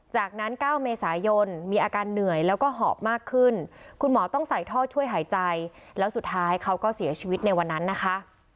จากนั้น๙เมษายนมีอาการเหนื่อยแล้วก็หอบมากขึ้นคุณหมอต้องใส่ท่อช่วยหายใจแล้วสุดท้ายเขาก็เสียชีวิตในวันนั้นนะคะ